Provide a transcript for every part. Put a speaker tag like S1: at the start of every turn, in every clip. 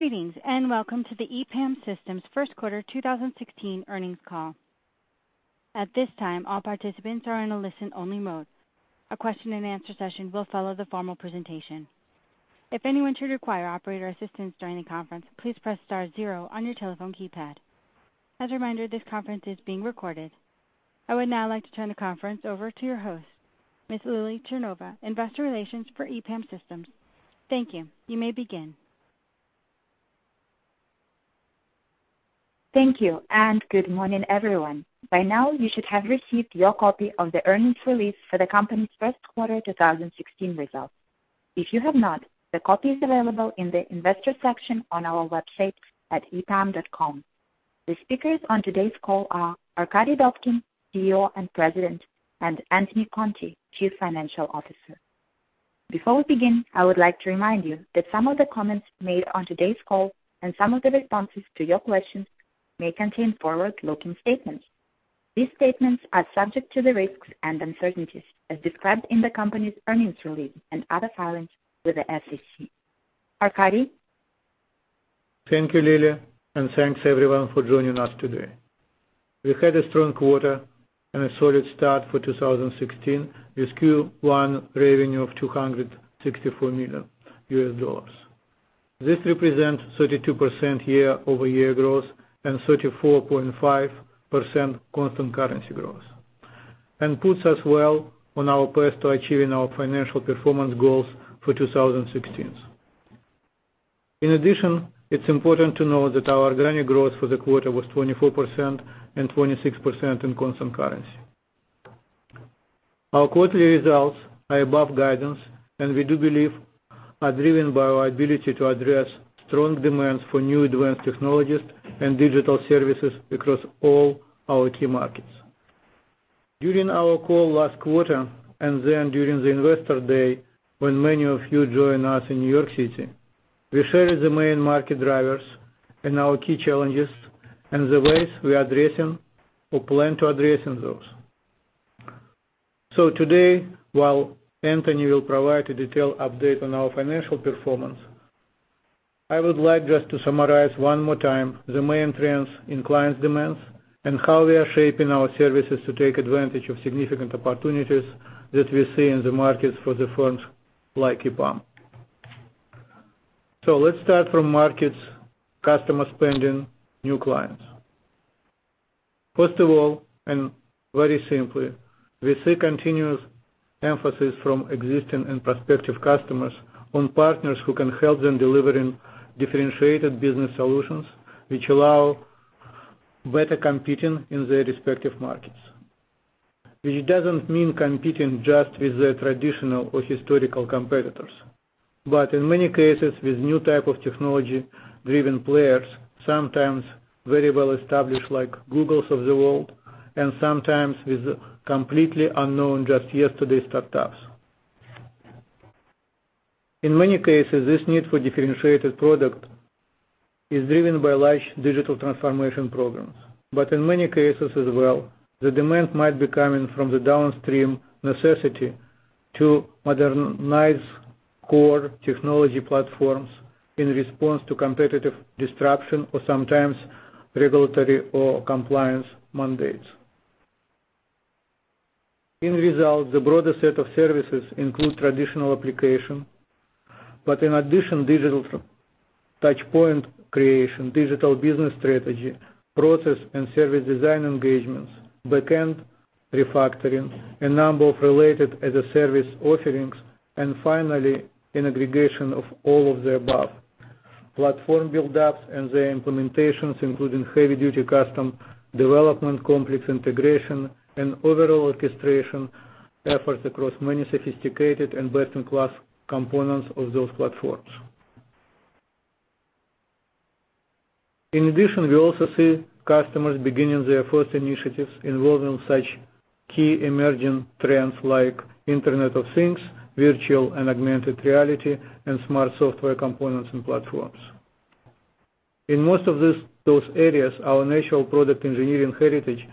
S1: Greetings and welcome to the EPAM Systems First Quarter 2016 Earnings Call. At this time, all participants are in a listen-only mode. A question-and-answer session will follow the formal presentation. If anyone should require operator assistance during the conference, please press star zero on your telephone keypad. As a reminder, this conference is being recorded. I would now like to turn the conference over to your host, Ms. Lilya Chernova, Investor Relations for EPAM Systems. Thank you. You may begin.
S2: Thank you, and good morning, everyone. By now, you should have received your copy of the earnings release for the company's first quarter 2016 results. If you have not, the copy is available in the Investor section on our website at epam.com. The speakers on today's call are Arkadiy Dobkin, CEO and President, and Anthony Conte, Chief Financial Officer. Before we begin, I would like to remind you that some of the comments made on today's call and some of the responses to your questions may contain forward-looking statements. These statements are subject to the risks and uncertainties as described in the company's earnings release and other filings with the SEC. Arkadiy?
S3: Thank you, Lily, and thanks everyone for joining us today. We had a strong quarter and a solid start for 2016 with Q1 revenue of $264 million. This represents 32% year-over-year growth and 34.5% constant currency growth, and puts us well on our path to achieving our financial performance goals for 2016. In addition, it's important to note that our organic growth for the quarter was 24% and 26% in constant currency. Our quarterly results are above guidance, and we do believe are driven by our ability to address strong demands for new advanced technologies and digital services across all our key markets. During our call last quarter and then during the investor day, when many of you joined us in New York City, we shared the main market drivers and our key challenges and the ways we're addressing or plan to address those. So today, while Anthony will provide a detailed update on our financial performance, I would like just to summarize one more time the main trends in clients' demands and how we are shaping our services to take advantage of significant opportunities that we see in the markets for the firms like EPAM. So let's start from markets, customer spending, new clients. First of all, and very simply, we see continuous emphasis from existing and prospective customers on partners who can help them delivering differentiated business solutions which allow better competing in their respective markets. Which doesn't mean competing just with the traditional or historical competitors, but in many cases with new type of technology-driven players, sometimes very well established like Googles of the world, and sometimes with completely unknown just yesterday startups. In many cases, this need for differentiated product is driven by large digital transformation programs. But in many cases as well, the demand might be coming from the downstream necessity to modernize core technology platforms in response to competitive disruption or sometimes regulatory or compliance mandates. As a result, the broader set of services include traditional application, but in addition, digital touchpoint creation, digital business strategy, process and service design engagements, backend refactoring, a number of related as a service offerings, and finally, an aggregation of all of the above. Platform buildups and the implementations including heavy-duty custom development complex integration and overall orchestration efforts across many sophisticated and best-in-class components of those platforms. In addition, we also see customers beginning their first initiatives involving such key emerging trends like Internet of Things, virtual and augmented reality, and smart software components and platforms. In most of those areas, our natural product engineering heritage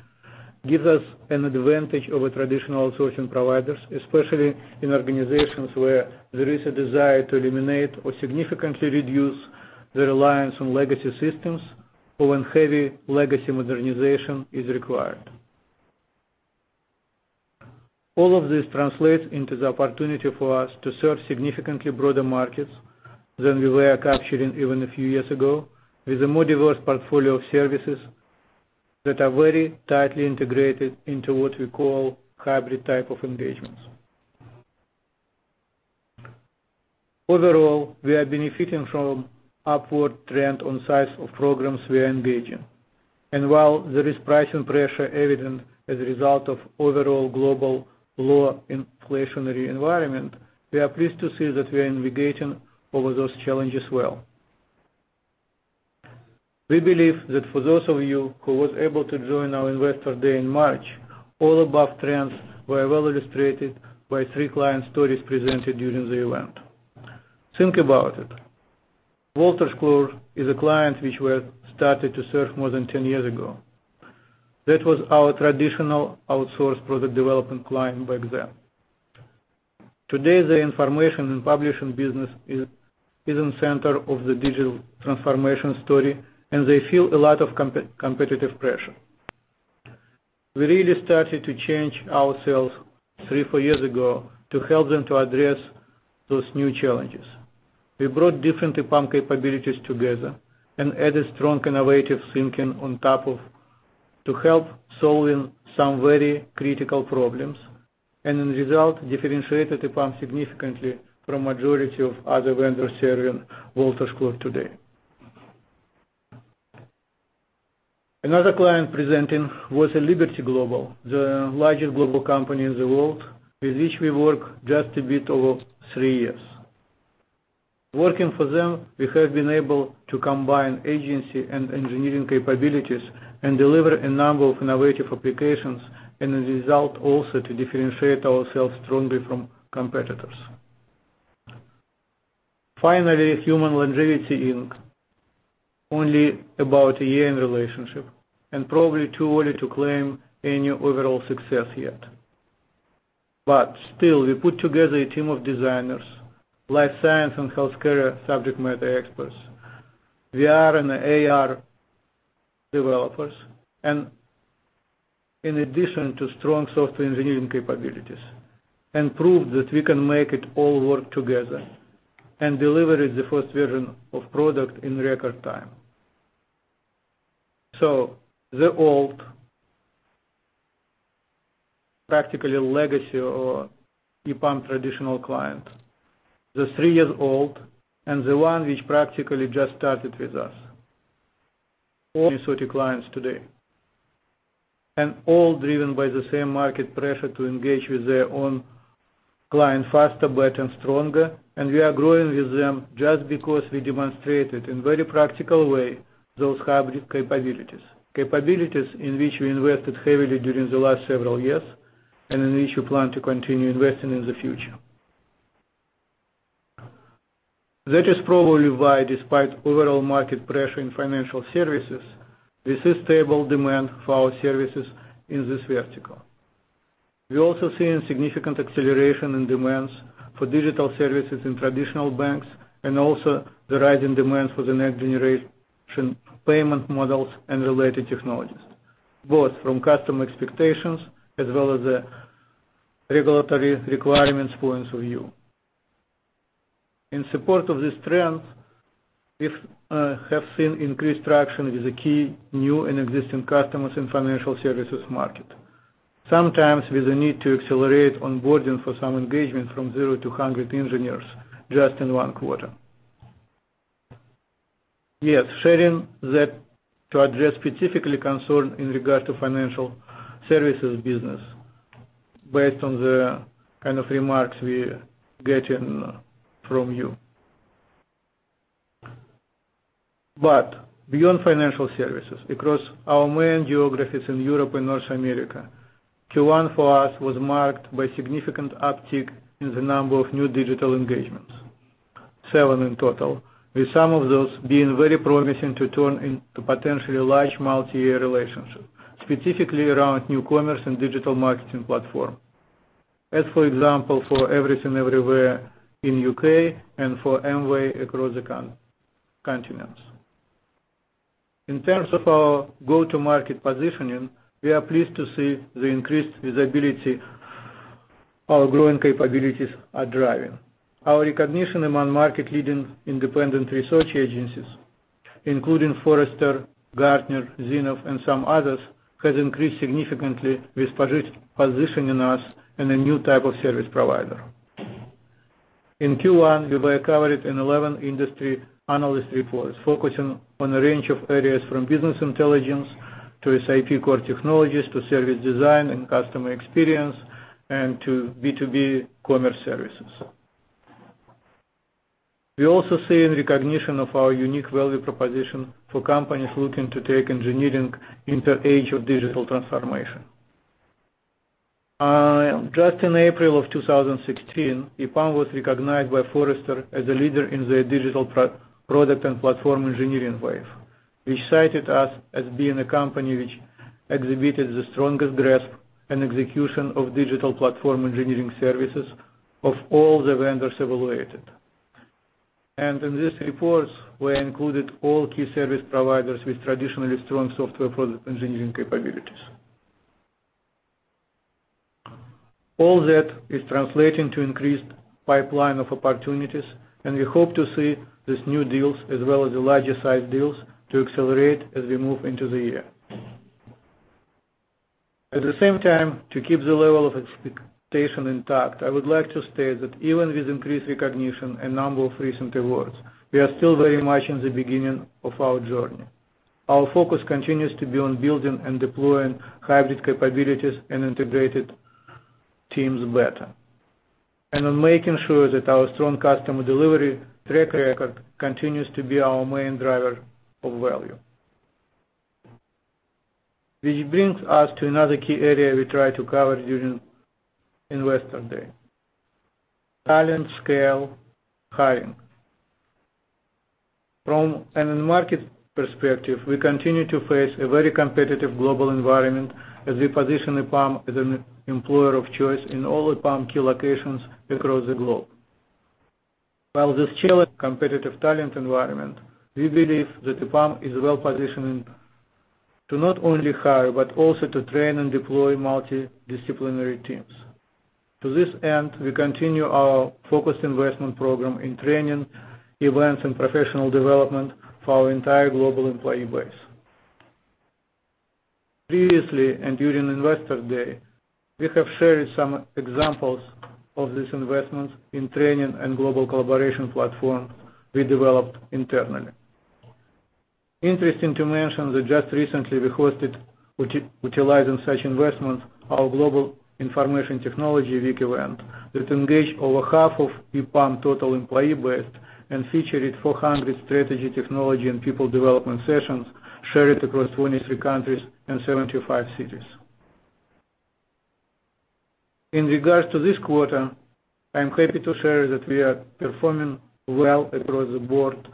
S3: gives us an advantage over traditional sourcing providers, especially in organizations where there is a desire to eliminate or significantly reduce the reliance on legacy systems or when heavy legacy modernization is required. All of this translates into the opportunity for us to serve significantly broader markets than we were capturing even a few years ago with a more diverse portfolio of services that are very tightly integrated into what we call hybrid type of engagements. Overall, we are benefiting from upward trend on size of programs we are engaging. While there is pricing pressure evident as a result of overall global low inflationary environment, we are pleased to see that we are navigating over those challenges well. We believe that for those of you who were able to join our investor day in March, all above trends were well illustrated by three client stories presented during the event. Think about it. Wolters Kluwer is a client which we started to serve more than 10 years ago. That was our traditional outsource product development client back then. Today, the information and publishing business is in the center of the digital transformation story, and they feel a lot of competitive pressure. We really started to change ourselves three, four years ago to help them to address those new challenges. We brought different EPAM capabilities together and added strong innovative thinking on top of to help solving some very critical problems, and in result, differentiated EPAM significantly from the majority of other vendors serving Wolters Kluwer today. Another client presenting was Liberty Global, the largest global company in the world with which we worked just a bit over three years. Working for them, we have been able to combine agency and engineering capabilities and deliver a number of innovative applications, and in result, also to differentiate ourselves strongly from competitors. Finally, Human Longevity Inc. Only about a year in relationship and probably too early to claim any overall success yet. But still, we put together a team of designers, life science and healthcare subject matter experts, VR and AR developers, and in addition to strong software engineering capabilities, and proved that we can make it all work together and delivered the first version of product in record time. So the old, practically legacy or EPAM traditional client, the three years old, and the one which practically just started with us, all Minnesota clients today, and all driven by the same market pressure to engage with their own client faster, better, and stronger, and we are growing with them just because we demonstrated in a very practical way those hybrid capabilities. Capabilities in which we invested heavily during the last several years and in which we plan to continue investing in the future. That is probably why, despite overall market pressure in financial services, this is stable demand for our services in this vertical. We're also seeing significant acceleration in demands for digital services in traditional banks and also the rising demand for the next generation payment models and related technologies, both from customer expectations as well as the regulatory requirements points of view. In support of these trends, we have seen increased traction with the key new and existing customers in the financial services market, sometimes with a need to accelerate onboarding for some engagement from zero to 100 engineers just in one quarter. Yes, sharing that to address specifically concern in regards to financial services business based on the kind of remarks we're getting from you. Beyond financial services, across our main geographies in Europe and North America, Q1 for us was marked by significant uptick in the number of new digital engagements, seven in total, with some of those being very promising to turn into potentially large multi-year relationships, specifically around new commerce and digital marketing platform, as for example, for Everything Everywhere in UK and for Amway across the continents. In terms of our go-to-market positioning, we are pleased to see the increased visibility our growing capabilities are driving. Our recognition among market-leading independent research agencies, including Forrester, Gartner, Zinnov, and some others, has increased significantly with positioning us in a new type of service provider. In Q1, we were covered in 11 industry analyst reports focusing on a range of areas from business intelligence to SAP core technologies to service design and customer experience and to B2B commerce services. We're also seeing recognition of our unique value proposition for companies looking to take engineering into the age of digital transformation. Just in April 2016, EPAM was recognized by Forrester as a leader in the digital product and platform engineering wave, which cited us as being a company which exhibited the strongest grasp and execution of digital platform engineering services of all the vendors evaluated. In these reports, we included all key service providers with traditionally strong software product engineering capabilities. All that is translating to increased pipeline of opportunities, and we hope to see these new deals as well as the larger-sized deals to accelerate as we move into the year. At the same time, to keep the level of expectation intact, I would like to state that even with increased recognition and number of recent awards, we are still very much in the beginning of our journey. Our focus continues to be on building and deploying hybrid capabilities and integrated teams better, and on making sure that our strong customer delivery track record continues to be our main driver of value. Which brings us to another key area we try to cover during Investor Day: talent, scale, hiring. From an in-market perspective, we continue to face a very competitive global environment as we position EPAM as an employer of choice in all EPAM key locations across the globe. While this challenging competitive talent environment, we believe that EPAM is well positioned to not only hire but also to train and deploy multidisciplinary teams. To this end, we continue our focused investment program in training, events, and professional development for our entire global employee base. Previously and during investor day, we have shared some examples of these investments in training and global collaboration platforms we developed internally. Interesting to mention that just recently we hosted, utilizing such investments, our global information technology week event that engaged over half of EPAM total employee base and featured 400 strategy technology and people development sessions shared across 23 countries and 75 cities. In regards to this quarter, I'm happy to share that we are performing well across the board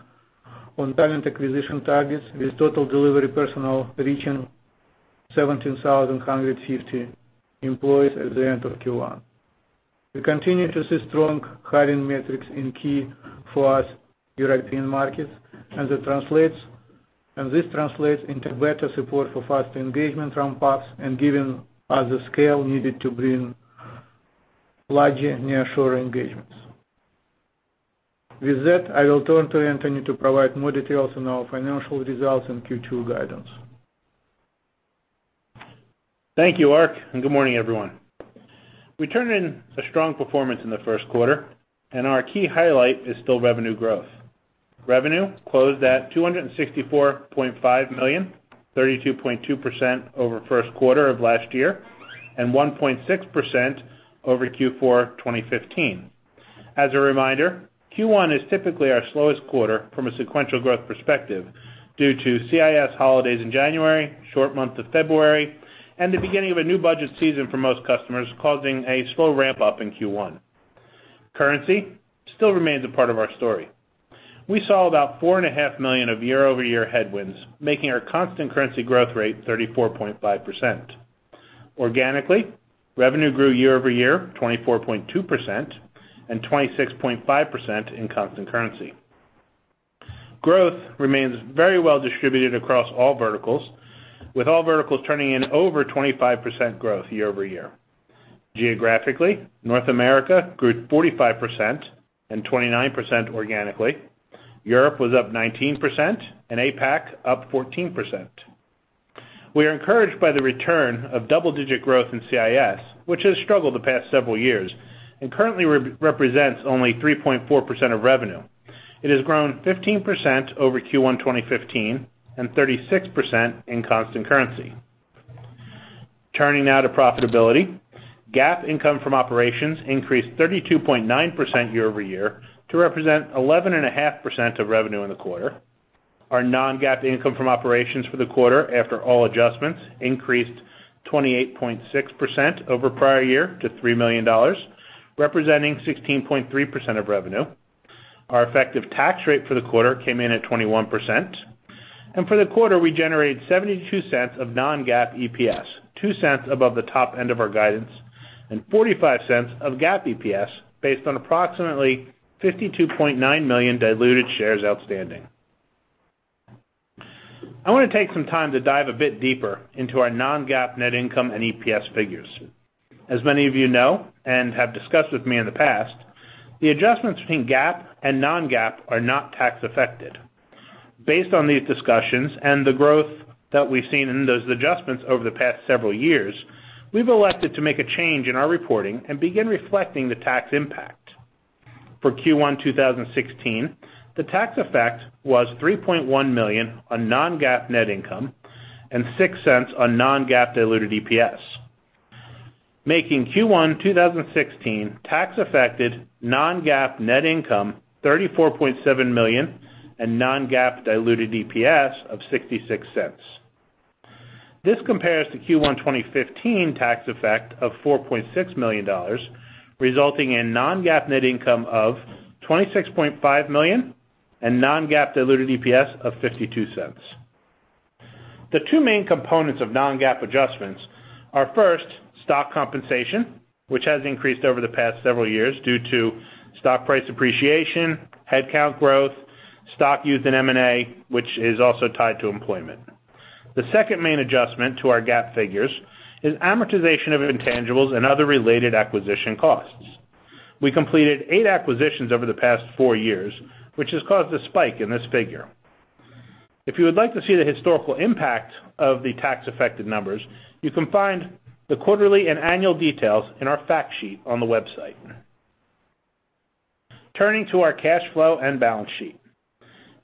S3: on talent acquisition targets with total delivery personnel reaching 17,150 employees at the end of Q1. We continue to see strong hiring metrics in key for us European Markets, and this translates into better support for faster engagement from PAFs and giving us the scale needed to bring larger nearshore engagements. With that, I will turn to Anthony to provide more details on our financial results and Q2 guidance.
S4: Thank you, Ark, and good morning, everyone. We turned in a strong performance in the first quarter, and our key highlight is still revenue growth. Revenue closed at $264.5 million, 32.2% over first quarter of last year, and 1.6% over Q4 2015. As a reminder, Q1 is typically our slowest quarter from a sequential growth perspective due to CIS holidays in January, short month of February, and the beginning of a new budget season for most customers causing a slow ramp-up in Q1. Currency still remains a part of our story. We saw about $4.5 million of year-over-year headwinds, making our constant currency growth rate 34.5%. Organically, revenue grew year over year 24.2% and 26.5% in constant currency. Growth remains very well distributed across all verticals, with all verticals turning in over 25% growth year over year. Geographically, North America grew 45% and 29% organically. Europe was up 19% and APAC up 14%. We are encouraged by the return of double-digit growth in CIS, which has struggled the past several years and currently represents only 3.4% of revenue. It has grown 15% over Q1 2015 and 36% in constant currency. Turning now to profitability, GAAP income from operations increased 32.9% year over year to represent 11.5% of revenue in the quarter. Our non-GAAP income from operations for the quarter after all adjustments increased 28.6% over prior year to $3 million, representing 16.3% of revenue. Our effective tax rate for the quarter came in at 21%. For the quarter, we generated $0.72 of non-GAAP EPS, $0.02 above the top end of our guidance, and $0.45 of GAAP EPS based on approximately 52.9 million diluted shares outstanding. I want to take some time to dive a bit deeper into our non-GAAP net income and EPS figures. As many of you know and have discussed with me in the past, the adjustments between GAAP and non-GAAP are not tax-affected. Based on these discussions and the growth that we've seen in those adjustments over the past several years, we've elected to make a change in our reporting and begin reflecting the tax impact. For Q1 2016, the tax effect was $3.1 million on non-GAAP net income and $0.06 on non-GAAP diluted EPS, making Q1 2016 tax-affected non-GAAP net income $34.7 million and non-GAAP diluted EPS of $0.66. This compares to Q1 2015 tax effect of $4.6 million, resulting in non-GAAP net income of $26.5 million and non-GAAP diluted EPS of $0.52. The two main components of non-GAAP adjustments are, first, stock compensation, which has increased over the past several years due to stock price appreciation, headcount growth, stock use in M&A, which is also tied to employment. The second main adjustment to our GAAP figures is amortization of intangibles and other related acquisition costs. We completed eight acquisitions over the past four years, which has caused a spike in this figure. If you would like to see the historical impact of the tax-affected numbers, you can find the quarterly and annual details in our fact sheet on the website. Turning to our cash flow and balance sheet.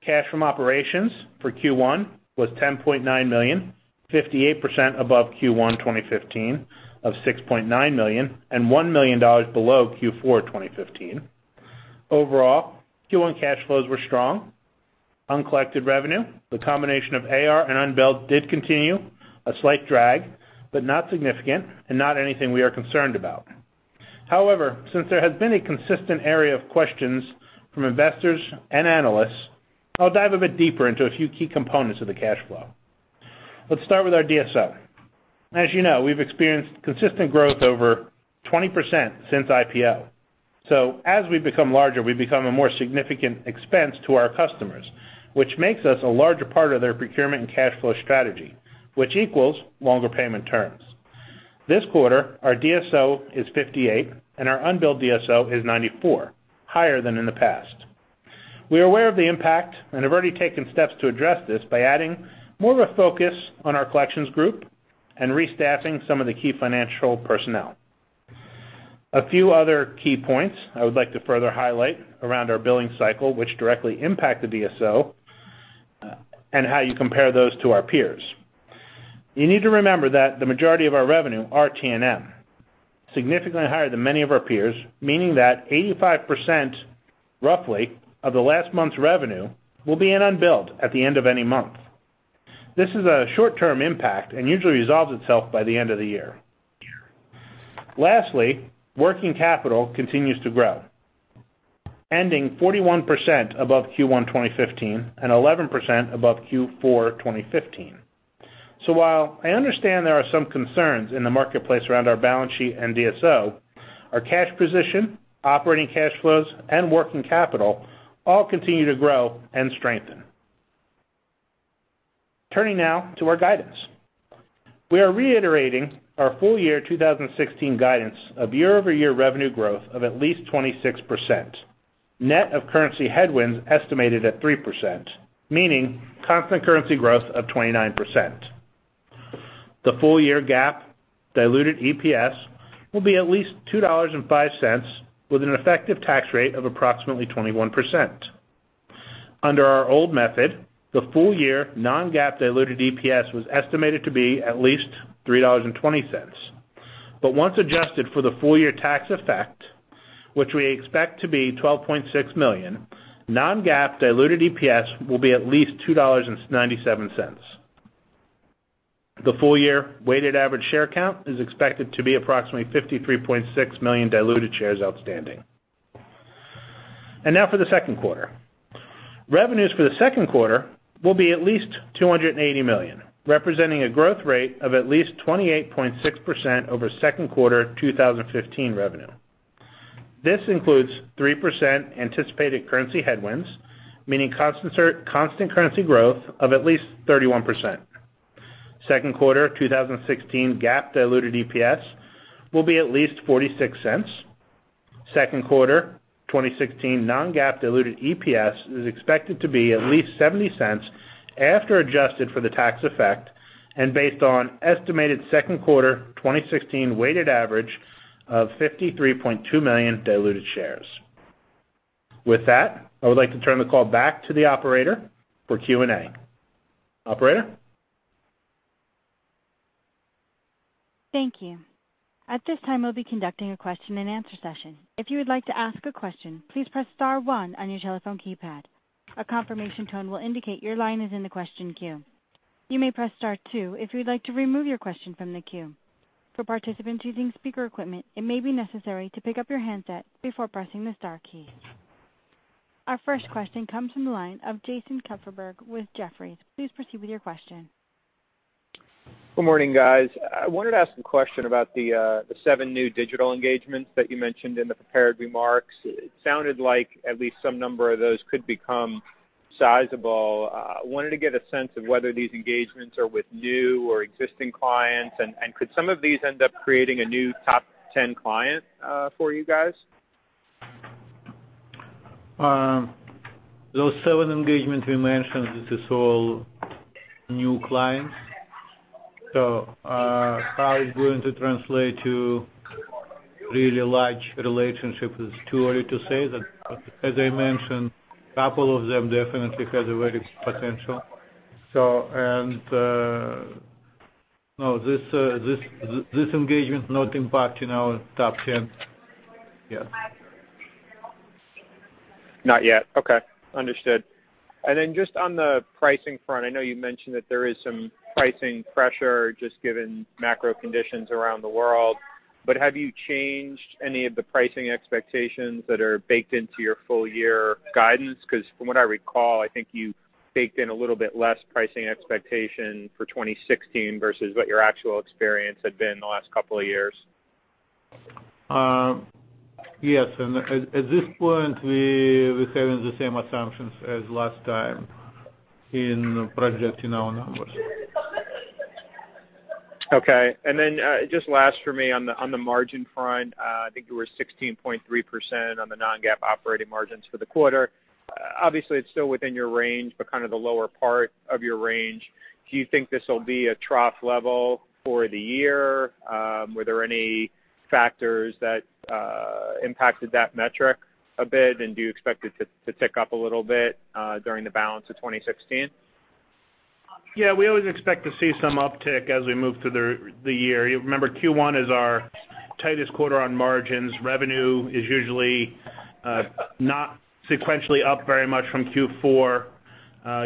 S4: Cash from operations for Q1 was $10.9 million, 58% above Q1 2015 of $6.9 million and $1 million below Q4 2015. Overall, Q1 cash flows were strong. Uncollected revenue, the combination of AR and unbilled did continue, a slight drag but not significant and not anything we are concerned about. However, since there has been a consistent area of questions from investors and analysts, I'll dive a bit deeper into a few key components of the cash flow. Let's start with our DSO. As you know, we've experienced consistent growth over 20% since IPO. So as we become larger, we become a more significant expense to our customers, which makes us a larger part of their procurement and cash flow strategy, which equals longer payment terms. This quarter, our DSO is 58 and our unbilled DSO is 94, higher than in the past. We are aware of the impact and have already taken steps to address this by adding more of a focus on our collections group and restaffing some of the key financial personnel. A few other key points I would like to further highlight around our billing cycle, which directly impact the DSO, and how you compare those to our peers. You need to remember that the majority of our revenue are T&M, significantly higher than many of our peers, meaning that 85% roughly of the last month's revenue will be in unbilled at the end of any month. This is a short-term impact and usually resolves itself by the end of the year. Lastly, working capital continues to grow, ending 41% above Q1 2015 and 11% above Q4 2015. So while I understand there are some concerns in the marketplace around our balance sheet and DSO, our cash position, operating cash flows, and working capital all continue to grow and strengthen. Turning now to our guidance. We are reiterating our full year 2016 guidance of year-over-year revenue growth of at least 26%, net of currency headwinds estimated at 3%, meaning constant currency growth of 29%. The full year GAAP diluted EPS will be at least $2.05 with an effective tax rate of approximately 21%. Under our old method, the full year non-GAAP diluted EPS was estimated to be at least $3.20. But once adjusted for the full year tax effect, which we expect to be $12.6 million, non-GAAP diluted EPS will be at least $2.97. The full year weighted average share count is expected to be approximately 53.6 million diluted shares outstanding. And now for the second quarter. Revenues for the second quarter will be at least $280 million, representing a growth rate of at least 28.6% over second quarter 2015 revenue. This includes 3% anticipated currency headwinds, meaning constant currency growth of at least 31%. Second quarter 2016 GAAP diluted EPS will be at least $0.46. Second quarter 2016 non-GAAP diluted EPS is expected to be at least $0.70 after adjusted for the tax effect and based on estimated second quarter 2016 weighted average of 53.2 million diluted shares. With that, I would like to turn the call back to the operator for Q&A. Operator?
S1: Thank you. At this time, we'll be conducting a question and answer session. If you would like to ask a question, please press star one on your telephone keypad. A confirmation tone will indicate your line is in the question queue. You may press star two if you would like to remove your question from the queue. For participants using speaker equipment, it may be necessary to pick up your handset before pressing the star key. Our first question comes from the line of Jason Kupferberg with Jefferies. Please proceed with your question.
S5: Good morning, guys. I wanted to ask a question about the seven new digital engagements that you mentioned in the prepared remarks. It sounded like at least some number of those could become sizable. I wanted to get a sense of whether these engagements are with new or existing clients, and could some of these end up creating a new top 10 client for you guys?
S3: Those seven engagements we mentioned, this is all new clients. So how it's going to translate to really large relationships is too early to say. As I mentioned, a couple of them definitely have a very potential. And no, this engagement not impacting our top 10. Yes.
S5: Not yet. Okay. Understood. And then just on the pricing front, I know you mentioned that there is some pricing pressure just given macro conditions around the world, but have you changed any of the pricing expectations that are baked into your full year guidance? Because from what I recall, I think you baked in a little bit less pricing expectation for 2016 versus what your actual experience had been the last couple of years.
S3: Yes. At this point, we're having the same assumptions as last time in projecting our numbers.
S5: Okay. And then just last for me on the margin front, I think you were 16.3% on the non-GAAP operating margins for the quarter. Obviously, it's still within your range, but kind of the lower part of your range. Do you think this will be a trough level for the year? Were there any factors that impacted that metric a bit, and do you expect it to tick up a little bit during the balance of 2016?
S4: Yeah. We always expect to see some uptick as we move through the year. You remember Q1 is our tightest quarter on margins. Revenue is usually not sequentially up very much from Q4.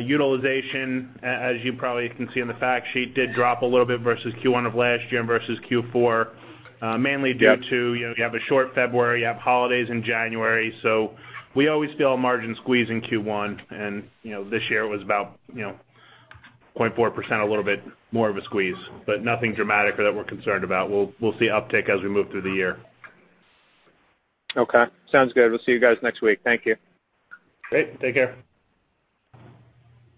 S4: Utilization, as you probably can see in the fact sheet, did drop a little bit versus Q1 of last year and versus Q4, mainly due to you have a short February. You have holidays in January. So we always feel our margin squeeze in Q1, and this year it was about 0.4%, a little bit more of a squeeze, but nothing dramatic or that we're concerned about. We'll see uptick as we move through the year.
S5: Okay. Sounds good. We'll see you guys next week. Thank you.
S4: Great. Take care.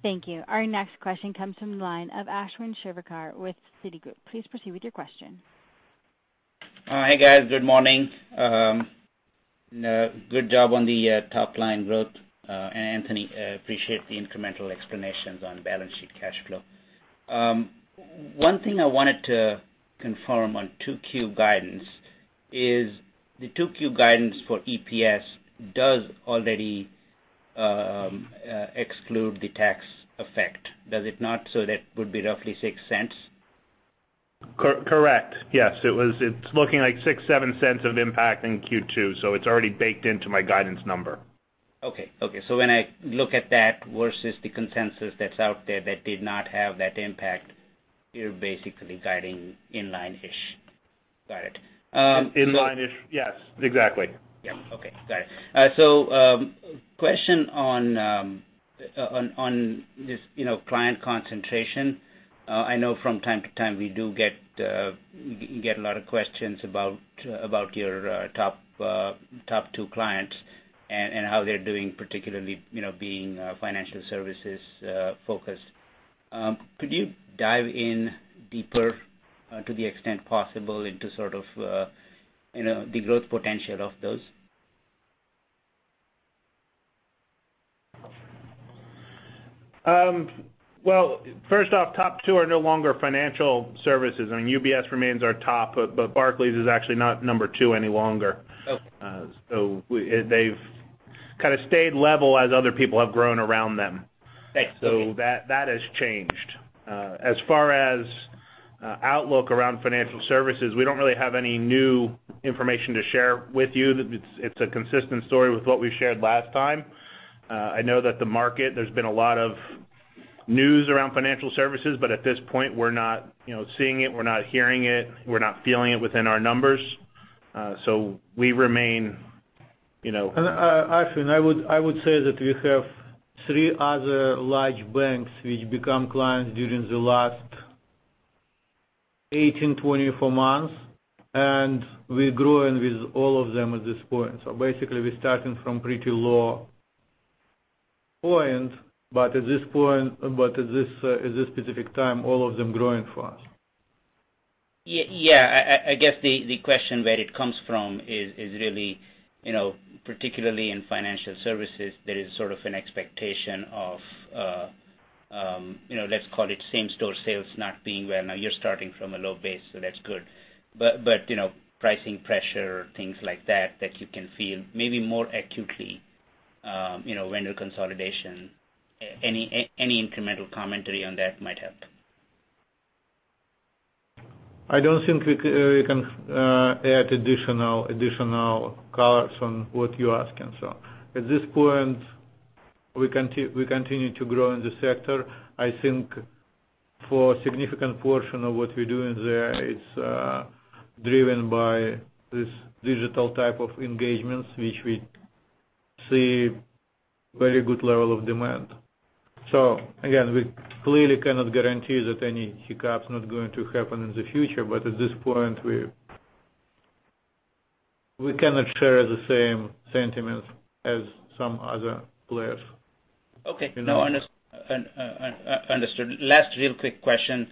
S1: Thank you. Our next question comes from the line of Ashwin Shirvaikar with Citigroup. Please proceed with your question.
S6: Hey, guys. Good morning. Good job on the top line growth. And Anthony, I appreciate the incremental explanations on balance sheet cash flow. One thing I wanted to confirm on 2Q guidance is the 2Q guidance for EPS does already exclude the tax effect. Does it not? So that would be roughly $0.06?
S4: Correct. Yes. It's looking like $0.06-$0.07 of impact in Q2, so it's already baked into my guidance number.
S6: Okay. Okay. So when I look at that versus the consensus that's out there that did not have that impact, you're basically guiding inline-ish. Got it.
S4: Inline-ish. Yes. Exactly.
S6: Yep. Okay. Got it. So question on this client concentration. I know from time to time we do get a lot of questions about your top two clients and how they're doing, particularly being financial services focused. Could you dive in deeper, to the extent possible, into sort of the growth potential of those?
S4: Well, first off, top two are no longer financial services. I mean, UBS remains our top, but Barclays is actually not number two any longer. So they've kind of stayed level as other people have grown around them. So that has changed. As far as outlook around financial services, we don't really have any new information to share with you. It's a consistent story with what we shared last time. I know that the market, there's been a lot of news around financial services, but at this point, we're not seeing it. We're not hearing it. We're not feeling it within our numbers. So we remain.
S3: Ashwin, I would say that we have three other large banks which become clients during the last 18-24 months, and we're growing with all of them at this point. So basically, we're starting from pretty low point, but at this point, but at this specific time, all of them growing for us.
S6: Yeah. I guess the question where it comes from is really, particularly in financial services, there is sort of an expectation of, let's call it, same-store sales not being well. Now, you're starting from a low base, so that's good. But pricing pressure, things like that that you can feel maybe more acutely, vendor consolidation, any incremental commentary on that might help.
S3: I don't think we can add additional colors on what you're asking. So at this point, we continue to grow in the sector. I think for a significant portion of what we're doing there, it's driven by this digital type of engagements which we see very good level of demand. So again, we clearly cannot guarantee that any hiccup's not going to happen in the future, but at this point, we cannot share the same sentiments as some other players.
S6: Okay. Understood. Last real quick question.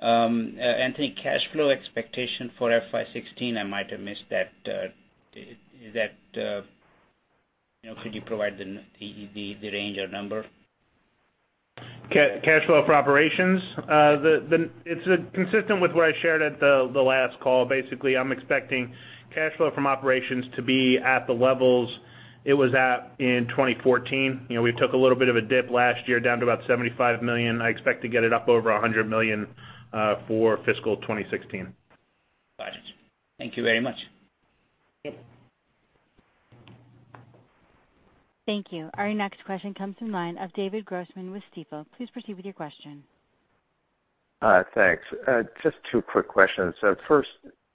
S6: Anthony, cash flow expectation for FY16, I might have missed that. Could you provide the range or number?
S4: Cash flow for operations, it's consistent with what I shared at the last call. Basically, I'm expecting cash flow from operations to be at the levels it was at in 2014. We took a little bit of a dip last year down to about $75 million. I expect to get it up over $100 million for fiscal 2016.
S6: Got it. Thank you very much.
S4: Yep.
S1: Thank you. Our next question comes from the line of David Grossman with Stifel. Please proceed with your question.
S7: Thanks. Just two quick questions. First,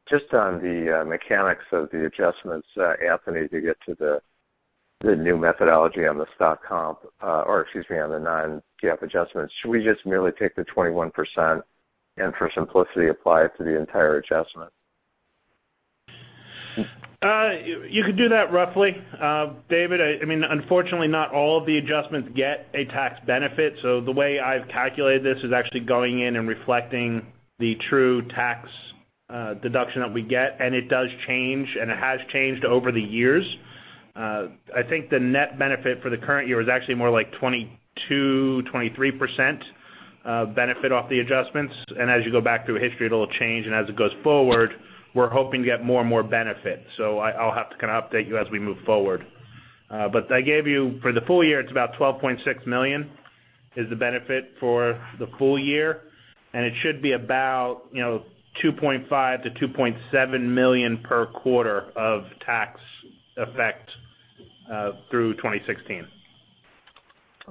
S7: just on the mechanics of the adjustments, Anthony, to get to the new methodology on the stock comp or excuse me, on the non-GAAP adjustments, should we just merely take the 21% and for simplicity apply it to the entire adjustment?
S4: You could do that roughly. David, I mean, unfortunately, not all of the adjustments get a tax benefit. So the way I've calculated this is actually going in and reflecting the true tax deduction that we get, and it does change, and it has changed over the years. I think the net benefit for the current year was actually more like 22%-23% benefit off the adjustments. And as you go back through history, it'll change, and as it goes forward, we're hoping to get more and more benefit. So I'll have to kind of update you as we move forward. But I gave you for the full year, it's about $12.6 million is the benefit for the full year, and it should be about $2.5 million-$2.7 million per quarter of tax effect through 2016.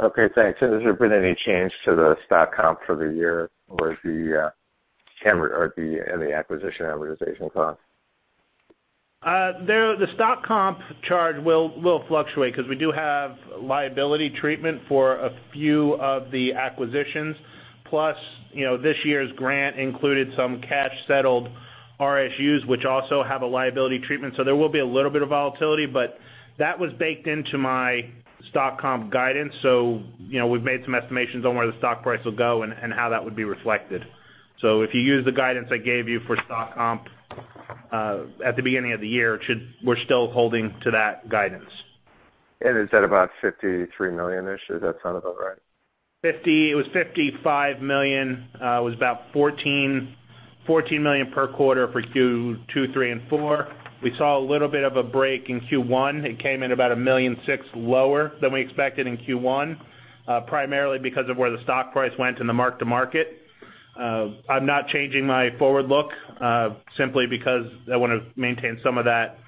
S7: Okay. Thanks. Has there been any change to the stock comp for the year or the acquisition amortization cost?
S4: The stock comp charge will fluctuate because we do have liability treatment for a few of the acquisitions. Plus, this year's grant included some cash-settled RSUs which also have a liability treatment. So there will be a little bit of volatility, but that was baked into my stock comp guidance. So we've made some estimations on where the stock price will go and how that would be reflected. So if you use the guidance I gave you for stock comp at the beginning of the year, we're still holding to that guidance.
S7: Is that about $53 million-ish? Does that sound about right?
S4: It was $55 million. It was about $14 million per quarter for Q2, Q3, and Q4. We saw a little bit of a break in Q1. It came in about $1.6 million lower than we expected in Q1, primarily because of where the stock price went in the mark-to-market. I'm not changing my forward look simply because I want to maintain some of that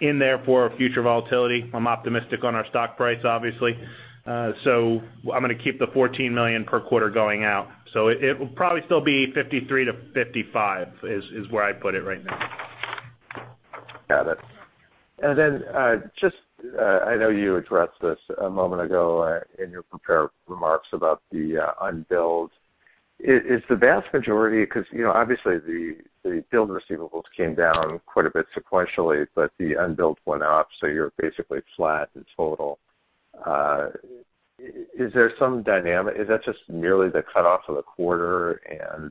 S4: in there for future volatility. I'm optimistic on our stock price, obviously. So I'm going to keep the $14 million per quarter going out. So it will probably still be $53-$55 million is where I'd put it right now.
S7: Got it. And then, just, I know you addressed this a moment ago in your prepared remarks about the unbilled. Is the vast majority because obviously, the billed receivables came down quite a bit sequentially, but the unbilled went up, so you're basically flat in total. Is there some dynamic? Is that just merely the cutoff of the quarter and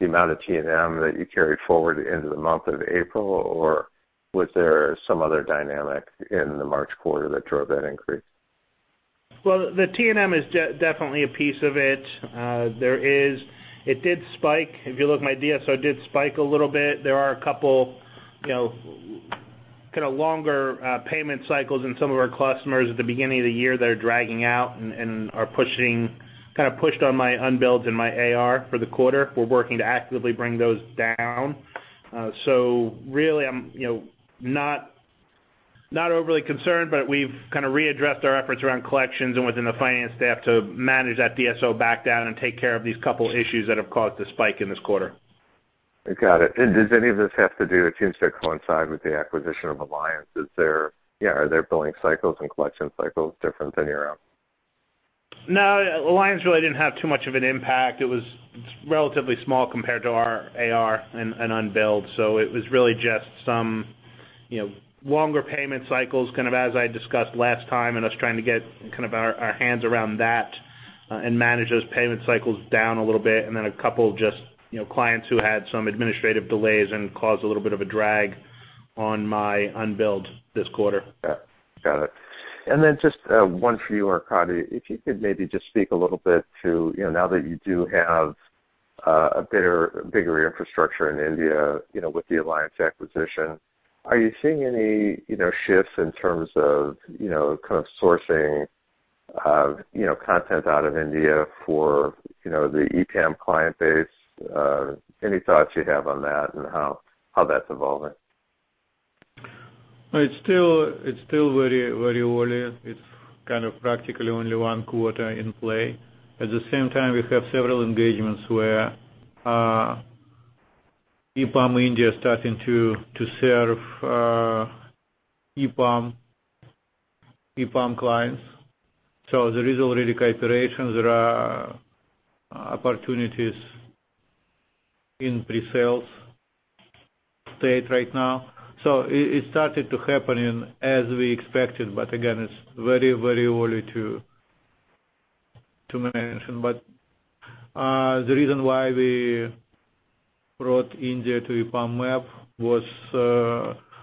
S7: the amount of T&M that you carried forward into the month of April, or was there some other dynamic in the March quarter that drove that increase?
S4: Well, the T&M is definitely a piece of it. It did spike. If you look at my DSO, it did spike a little bit. There are a couple kind of longer payment cycles in some of our customers at the beginning of the year that are dragging out and are kind of pushed on my unbilled and my AR for the quarter. We're working to actively bring those down. So really, I'm not overly concerned, but we've kind of readdressed our efforts around collections and within the finance staff to manage that DSO back down and take care of these couple issues that have caused the spike in this quarter.
S7: Got it. And does any of this have to do? It seems to coincide with the acquisition of Alliance. Yeah. Are there billing cycles and collection cycles different than your own?
S4: No. Alliance really didn't have too much of an impact. It's relatively small compared to our AR and unbilled. So it was really just some longer payment cycles kind of as I discussed last time and us trying to get kind of our hands around that and manage those payment cycles down a little bit, and then a couple just clients who had some administrative delays and caused a little bit of a drag on my unbilled this quarter.
S7: Got it. And then just one for you, Arkadiy, if you could maybe just speak a little bit to now that you do have a bigger infrastructure in India with the Alliance acquisition, are you seeing any shifts in terms of kind of sourcing content out of India for the EPAM client base? Any thoughts you have on that and how that's evolving?
S3: It's still very, very early. It's kind of practically only one quarter in play. At the same time, we have several engagements where EPAM India is starting to serve EPAM clients. So there is already cooperation. There are opportunities in presales state right now. So it started to happen as we expected, but again, it's very, very early to mention. But the reason why we brought India to EPAM map was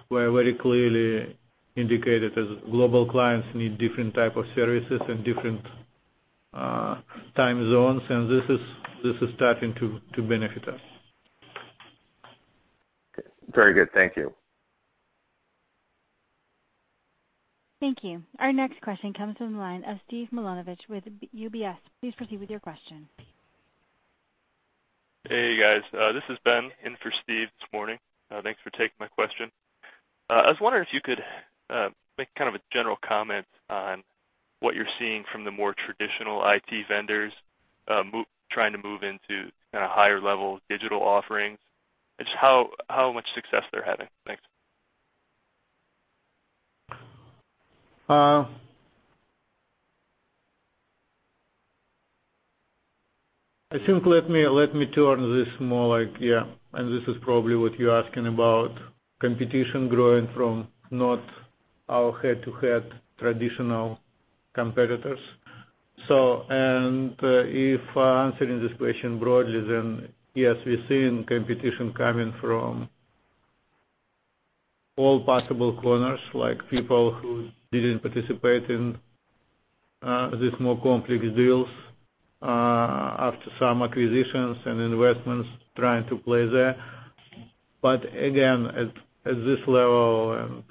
S3: why I very clearly indicated as global clients need different type of services and different time zones, and this is starting to benefit us.
S7: Very good. Thank you.
S1: Thank you. Our next question comes from the line of Steve Milunovich with UBS. Please proceed with your question.
S8: Hey, guys. This is Ben in for Steve this morning. Thanks for taking my question. I was wondering if you could make kind of a general comment on what you're seeing from the more traditional IT vendors trying to move into kind of higher-level digital offerings and just how much success they're having. Thanks.
S3: I think let me turn this more yeah. And this is probably what you're asking about, competition growing from not our head-to-head traditional competitors. And if answering this question broadly, then yes, we're seeing competition coming from all possible corners like people who didn't participate in these more complex deals after some acquisitions and investments trying to play there. But again, at this level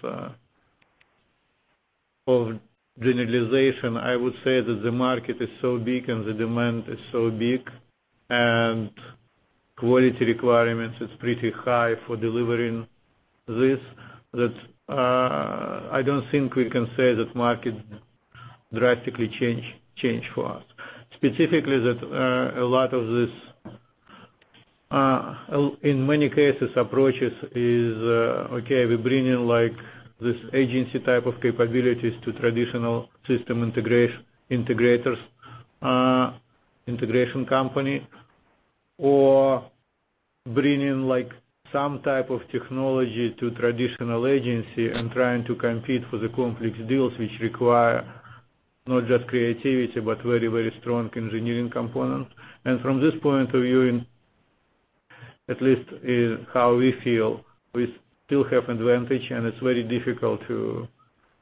S3: of generalization, I would say that the market is so big and the demand is so big and quality requirements, it's pretty high for delivering this. I don't think we can say that markets drastically change for us. Specifically, that a lot of this, in many cases, approaches is, "Okay. We're bringing this agency type of capabilities to traditional system integrators, integration company, or bringing some type of technology to traditional agency and trying to compete for the complex deals which require not just creativity but very, very strong engineering component." And from this point of view, at least how we feel, we still have advantage, and it's very difficult to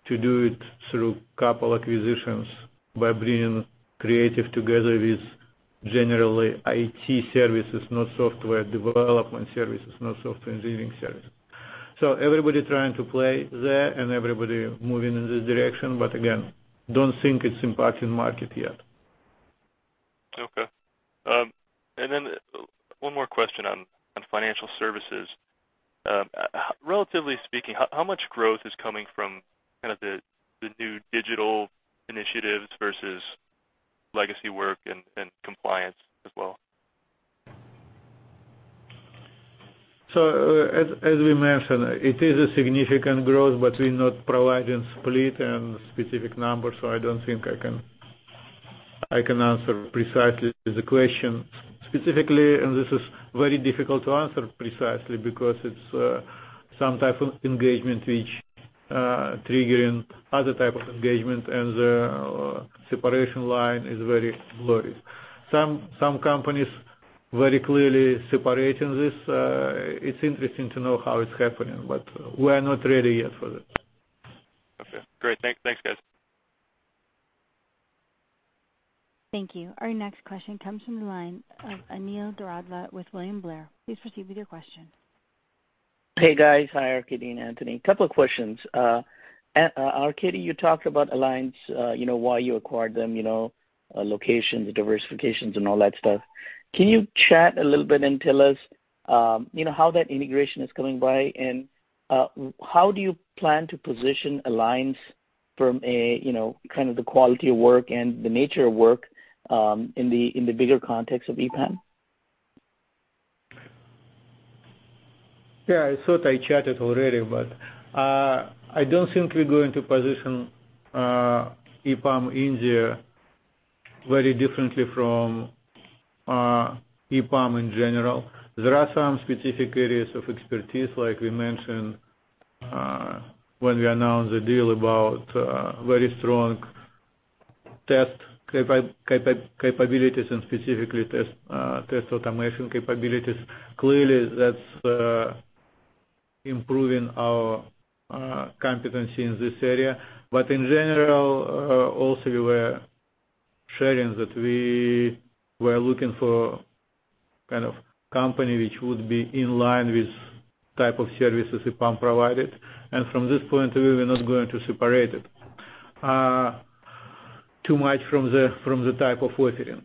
S3: do it through a couple acquisitions by bringing creative together with generally IT services, not software development services, not software engineering services. So everybody trying to play there, and everybody moving in this direction. But again, don't think it's impacting market yet.
S8: Okay. One more question on financial services. Relatively speaking, how much growth is coming from kind of the new digital initiatives versus legacy work and compliance as well?
S3: As we mentioned, it is a significant growth, but we're not providing split and specific numbers, so I don't think I can answer precisely the question. Specifically, and this is very difficult to answer precisely because it's some type of engagement which is triggering other type of engagement, and the separation line is very blurry. Some companies are very clearly separating this. It's interesting to know how it's happening, but we are not ready yet for that.
S8: Okay. Great. Thanks, guys.
S1: Thank you. Our next question comes from the line of Anil Doradla with William Blair. Please proceed with your question.
S9: Hey, guys. Hi, Arkadiy and Anthony. Couple of questions. Arkadiy, you talked about Alliance, why you acquired them, locations, diversifications, and all that stuff. Can you chat a little bit and tell us how that integration is coming by, and how do you plan to position Alliance from kind of the quality of work and the nature of work in the bigger context of EPAM?
S3: Yeah. I thought I chatted already, but I don't think we're going to position EPAM India very differently from EPAM in general. There are some specific areas of expertise, like we mentioned when we announced the deal about very strong test capabilities and specifically test automation capabilities. Clearly, that's improving our competency in this area. But in general, also, we were sharing that we were looking for kind of a company which would be in line with the type of services EPAM provided. And from this point of view, we're not going to separate it too much from the type of offering.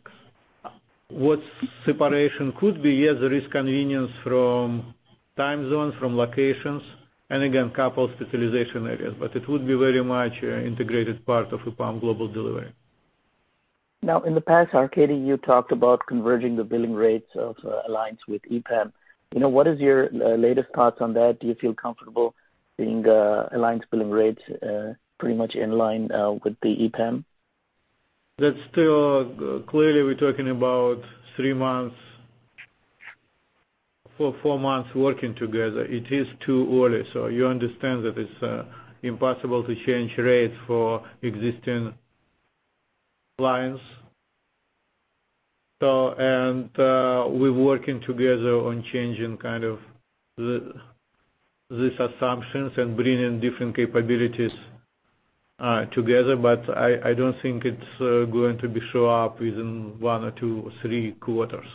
S3: What separation could be, yes, there is convenience from time zones, from locations, and again, a couple of specialization areas, but it would be very much an integrated part of EPAM global delivery.
S9: Now, in the past, Arkadiy, you talked about converging the billing rates of Alliance with EPAM. What is your latest thoughts on that? Do you feel comfortable seeing Alliance billing rates pretty much in line with the EPAM?
S3: Clearly, we're talking about three months, four months working together. It is too early, so you understand that it's impossible to change rates for existing clients. We're working together on changing kind of these assumptions and bringing different capabilities together, but I don't think it's going to show up within one or two or three quarters.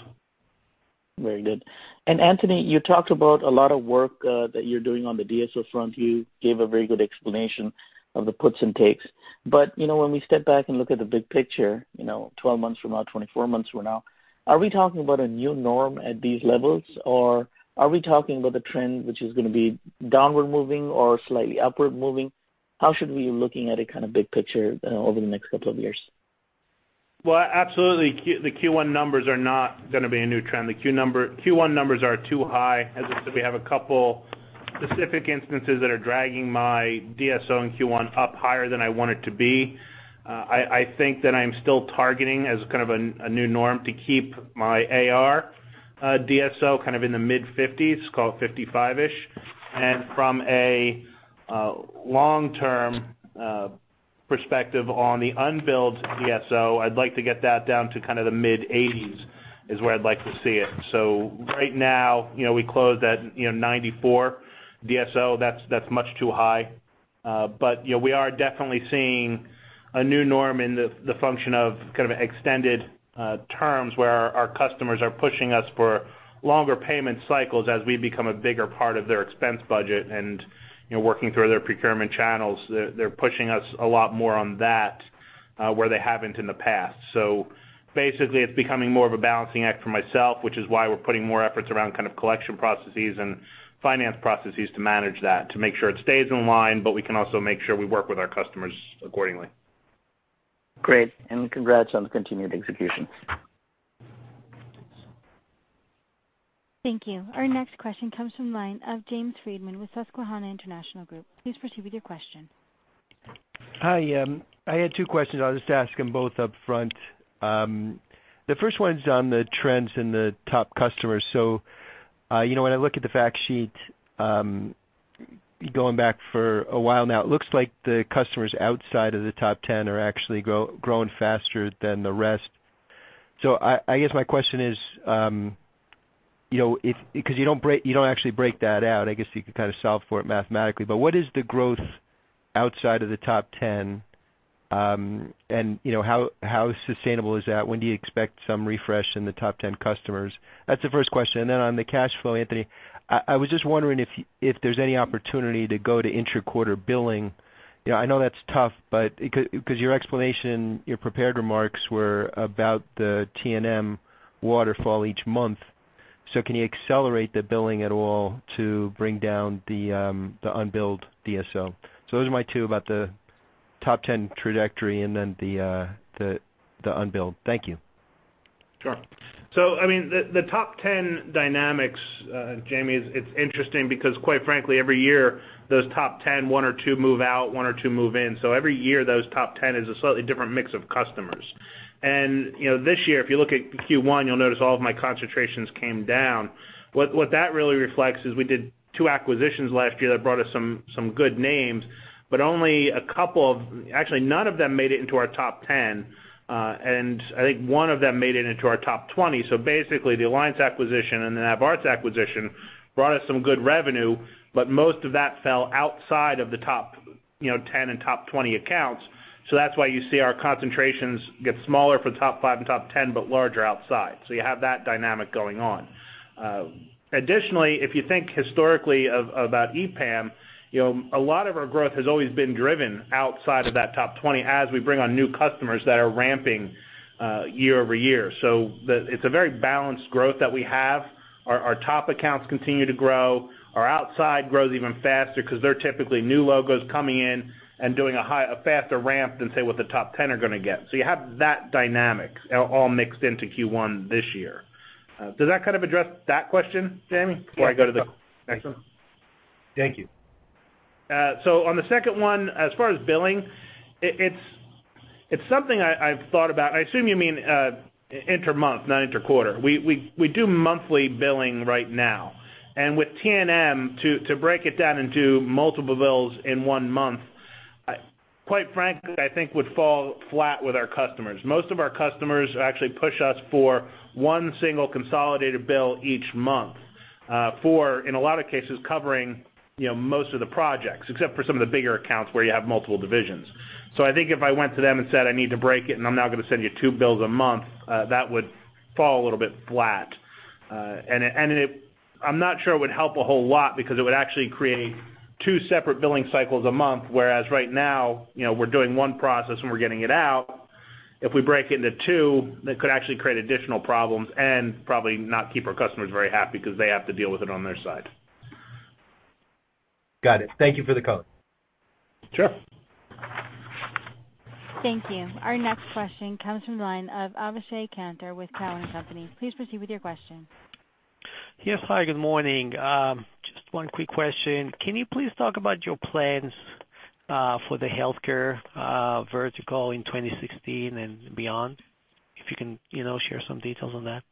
S9: Very good. And Anthony, you talked about a lot of work that you're doing on the DSO front. You gave a very good explanation of the puts and takes. But when we step back and look at the big picture, 12 months from now, 24 months from now, are we talking about a new norm at these levels, or are we talking about a trend which is going to be downward moving or slightly upward moving? How should we be looking at it kind of big picture over the next couple of years?
S4: Well, absolutely. The Q1 numbers are not going to be a new trend. The Q1 numbers are too high. As I said, we have a couple specific instances that are dragging my DSO and Q1 up higher than I want it to be. I think that I am still targeting as kind of a new norm to keep my AR DSO kind of in the mid-50s, call it 55-ish. From a long-term perspective on the unbilled DSO, I'd like to get that down to kind of the mid-80s is where I'd like to see it. Right now, we closed at 94 DSO. That's much too high. We are definitely seeing a new norm in the function of kind of extended terms where our customers are pushing us for longer payment cycles as we become a bigger part of their expense budget and working through their procurement channels. They're pushing us a lot more on that where they haven't in the past. So basically, it's becoming more of a balancing act for myself, which is why we're putting more efforts around kind of collection processes and finance processes to manage that to make sure it stays in line, but we can also make sure we work with our customers accordingly.
S9: Great. Congrats on the continued execution.
S1: Thank you. Our next question comes from the line of James Friedman with Susquehanna International Group. Please proceed with your question.
S10: Hi. I had two questions. I'll just ask them both upfront. The first one is on the trends in the top customers. So when I look at the fact sheet going back for a while now, it looks like the customers outside of the top 10 are actually growing faster than the rest. So I guess my question is because you don't actually break that out. I guess you could kind of solve for it mathematically. But what is the growth outside of the top 10, and how sustainable is that? When do you expect some refresh in the top 10 customers? That's the first question. And then on the cash flow, Anthony, I was just wondering if there's any opportunity to go to intra-quarter billing. I know that's tough because your explanation, your prepared remarks were about the T&M waterfall each month. Can you accelerate the billing at all to bring down the unbilled DSO? Those are my two about the top 10 trajectory and then the unbilled. Thank you.
S4: Sure. So I mean, the top 10 dynamics, Jamie, it's interesting because quite frankly, every year, those top 10, one or two move out, one or two move in. So every year, those top 10 is a slightly different mix of customers. And this year, if you look at Q1, you'll notice all of my concentrations came down. What that really reflects is we did two acquisitions last year that brought us some good names, but only a couple of actually, none of them made it into our top 10. And I think one of them made it into our top 20. So basically, the Alliance acquisition and then NavigationArts acquisition brought us some good revenue, but most of that fell outside of the top 10 and top 20 accounts. So that's why you see our concentrations get smaller for the top five and top 10 but larger outside. So you have that dynamic going on. Additionally, if you think historically about EPAM, a lot of our growth has always been driven outside of that top 20 as we bring on new customers that are ramping year-over-year. So it's a very balanced growth that we have. Our top accounts continue to grow. Our outside grows even faster because they're typically new logos coming in and doing a faster ramp than, say, what the top 10 are going to get. So you have that dynamic all mixed into Q1 this year. Does that kind of address that question, Jamie, before I go to the next one?
S10: Thank you.
S4: So on the second one, as far as billing, it's something I've thought about. I assume you mean inter-month, not inter-quarter. We do monthly billing right now. And with T&M, to break it down into multiple bills in one month, quite frankly, I think would fall flat with our customers. Most of our customers actually push us for one single consolidated bill each month for, in a lot of cases, covering most of the projects except for some of the bigger accounts where you have multiple divisions. So I think if I went to them and said, "I need to break it, and I'm now going to send you two bills a month," that would fall a little bit flat. I'm not sure it would help a whole lot because it would actually create two separate billing cycles a month, whereas right now, we're doing one process, and we're getting it out. If we break it into two, that could actually create additional problems and probably not keep our customers very happy because they have to deal with it on their side.
S10: Got it. Thank you for the call.
S4: Sure.
S1: Thank you. Our next question comes from the line of Avishai Kantor with Cowen & Company. Please proceed with your question.
S11: Yes. Hi. Good morning. Just one quick question. Can you please talk about your plans for the healthcare vertical in 2016 and beyond, if you can share some details on that?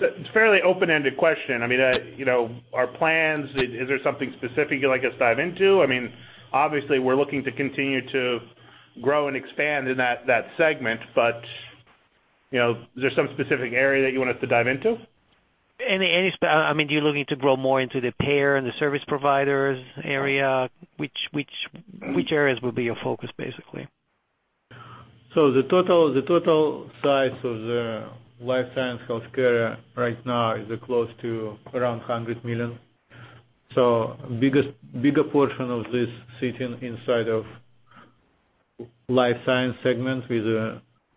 S4: It's a fairly open-ended question. I mean, our plans, is there something specific you'd like us to dive into? I mean, obviously, we're looking to continue to grow and expand in that segment, but is there some specific area that you want us to dive into?
S11: I mean, do you looking to grow more into the payer and the service providers area? Which areas would be your focus, basically?
S3: The total size of the life science healthcare right now is close to around $100 million. A bigger portion of this is sitting inside of life science segments with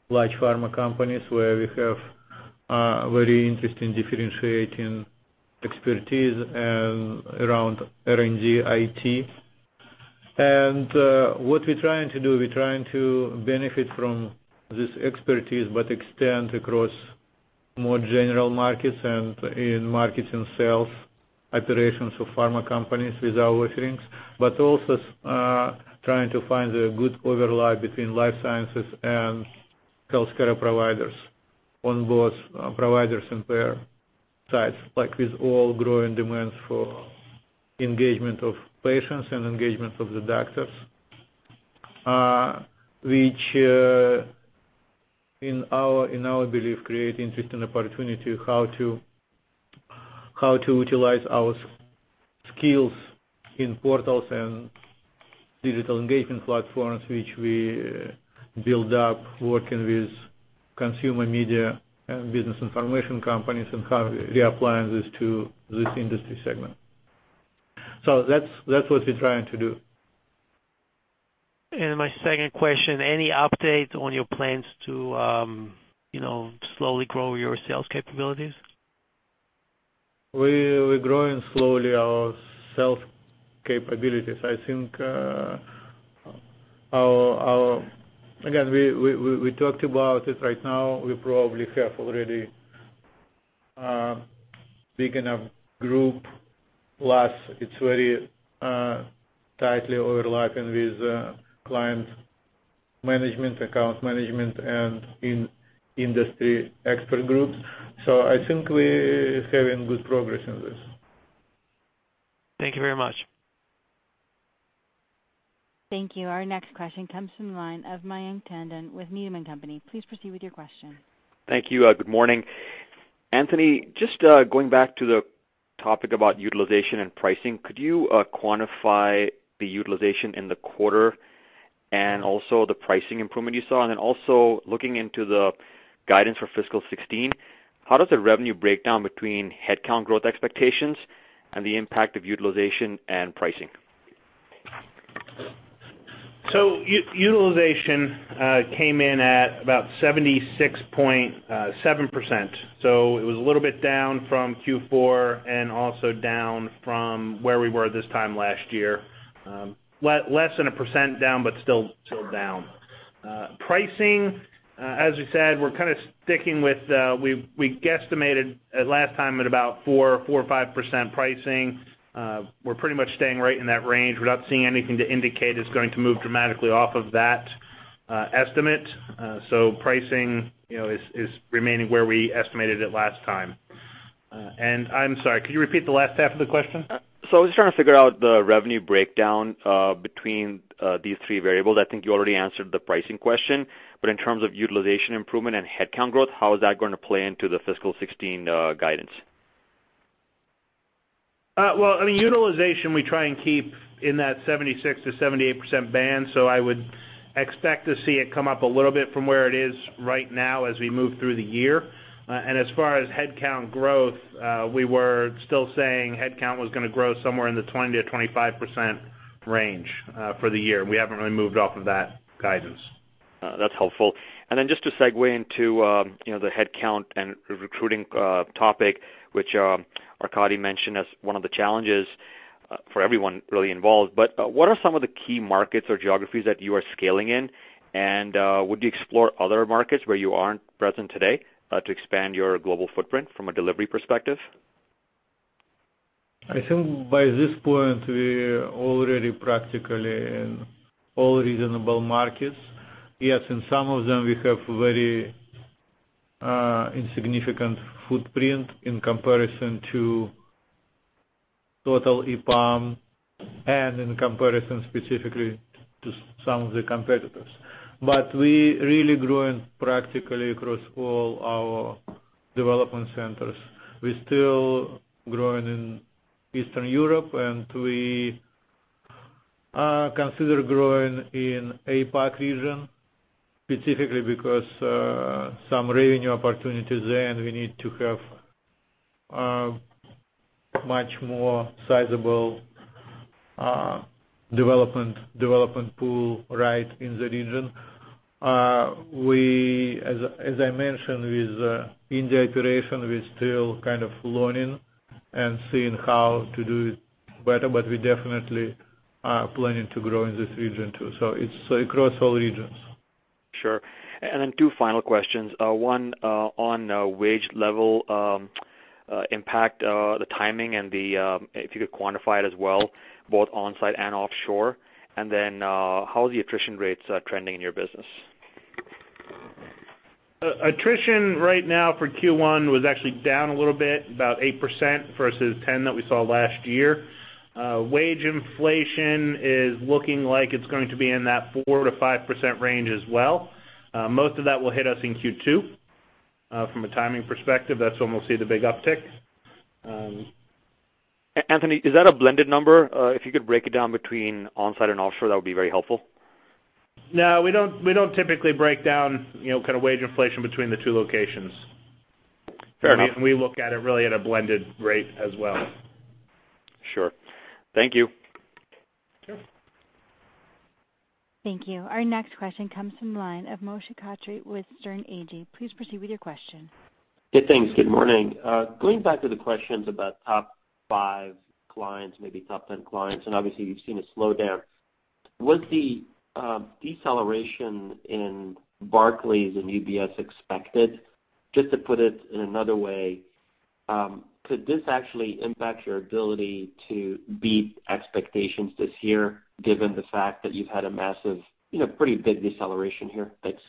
S3: large pharma companies where we have very interesting differentiating expertise around R&D, IT. And what we're trying to do, we're trying to benefit from this expertise but extend across more general markets and in marketing sales operations of pharma companies with our offerings, but also trying to find a good overlap between life sciences and healthcare providers on both providers and payer sides with all growing demands for engagement of patients and engagement of the doctors, which, in our belief, create interesting opportunity how to utilize our skills in portals and digital engagement platforms which we build up working with consumer media and business information companies and how we reapply this to this industry segment.
S4: So that's what we're trying to do.
S11: My second question, any updates on your plans to slowly grow your sales capabilities?
S3: We're growing slowly our sales capabilities. I think, again, we talked about it right now. We probably have already a big enough group. Plus, it's very tightly overlapping with client management, account management, and industry expert groups. So I think we're having good progress in this.
S11: Thank you very much.
S1: Thank you. Our next question comes from the line of Mayank Tandon with Needham & Company. Please proceed with your question.
S12: Thank you. Good morning. Anthony, just going back to the topic about utilization and pricing, could you quantify the utilization in the quarter and also the pricing improvement you saw? And then also looking into the guidance for fiscal 2016, how does the revenue breakdown between headcount growth expectations and the impact of utilization and pricing?
S4: So utilization came in at about 76.7%. So it was a little bit down from Q4 and also down from where we were this time last year. Less than 1% down but still down. Pricing, as we said, we're kind of sticking with we guesstimated last time at about 4%-5% pricing. We're pretty much staying right in that range. We're not seeing anything to indicate it's going to move dramatically off of that estimate. So pricing is remaining where we estimated it last time. And I'm sorry, could you repeat the last half of the question?
S12: I was trying to figure out the revenue breakdown between these three variables. I think you already answered the pricing question. In terms of utilization improvement and headcount growth, how is that going to play into the fiscal 2016 guidance?
S4: Well, I mean, utilization, we try and keep in that 76%-78% band. So I would expect to see it come up a little bit from where it is right now as we move through the year. And as far as headcount growth, we were still saying headcount was going to grow somewhere in the 20%-25% range for the year. We haven't really moved off of that guidance.
S12: That's helpful. And then just to segue into the headcount and recruiting topic, which Arkadiy mentioned as one of the challenges for everyone really involved, but what are some of the key markets or geographies that you are scaling in? And would you explore other markets where you aren't present today to expand your global footprint from a delivery perspective?
S3: I think by this point, we're already practically in all reasonable markets. Yes, in some of them, we have very insignificant footprint in comparison to total EPAM and in comparison specifically to some of the competitors. But we're really growing practically across all our development centers. We're still growing in Eastern Europe, and we consider growing in the APAC region specifically because some revenue opportunities there, and we need to have much more sizable development pool right in the region. As I mentioned, with India operation, we're still kind of learning and seeing how to do it better. But we're definitely planning to grow in this region too. So it's across all regions.
S12: Sure. And then two final questions. One on wage level impact, the timing, and if you could quantify it as well, both onsite and offshore. And then how are the attrition rates trending in your business?
S4: Attrition right now for Q1 was actually down a little bit, about 8% versus 10% that we saw last year. Wage inflation is looking like it's going to be in that 4%-5% range as well. Most of that will hit us in Q2 from a timing perspective. That's when we'll see the big uptick.
S12: Anthony, is that a blended number? If you could break it down between onsite and offshore, that would be very helpful.
S4: No. We don't typically break down kind of wage inflation between the two locations. We look at it really at a blended rate as well.
S12: Sure. Thank you.
S4: Sure.
S1: Thank you. Our next question comes from the line of Moshe Katri with Sterne Agee. Please proceed with your question.
S13: Hey, thanks. Good morning. Going back to the questions about top five clients, maybe top 10 clients, and obviously, you've seen a slowdown, was the deceleration in Barclays and UBS expected? Just to put it in another way, could this actually impact your ability to beat expectations this year given the fact that you've had a massive, pretty big deceleration here? Thanks.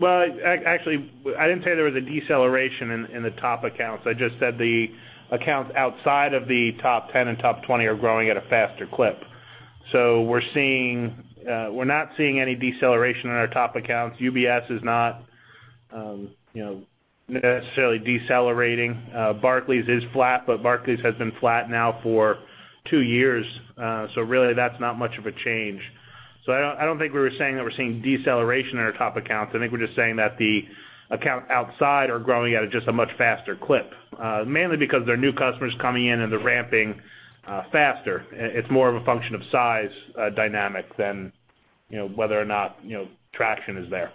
S4: Well, actually, I didn't say there was a deceleration in the top accounts. I just said the accounts outside of the top 10 and top 20 are growing at a faster clip. So we're not seeing any deceleration in our top accounts. UBS is not necessarily decelerating. Barclays is flat, but Barclays has been flat now for two years. So really, that's not much of a change. So I don't think we were saying that we're seeing deceleration in our top accounts. I think we're just saying that the accounts outside are growing at just a much faster clip, mainly because there are new customers coming in, and they're ramping faster. It's more of a function of size dynamic than whether or not traction is there.